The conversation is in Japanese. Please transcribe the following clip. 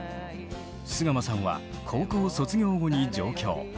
洲鎌さんは高校卒業後に上京。